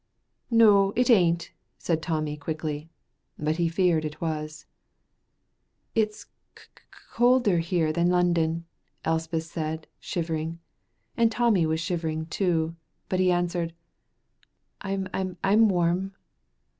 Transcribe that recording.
"No, it ain't," said Tommy, quickly, but he feared it was. "It's c c colder here than London," Elspeth said, shivering, and Tommy was shivering too, but he answered, "I'm I'm I'm warm."